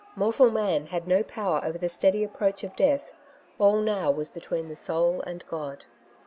Mortal man had no poWer over the steady approach of death ; all now was between the soul and God.